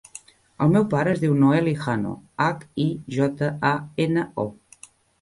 El meu pare es diu Noel Hijano: hac, i, jota, a, ena, o.